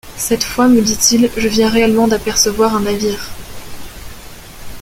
Cette fois, me dit-il, je viens réellement d’apercevoir un navire!